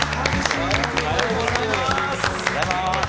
おはようございます。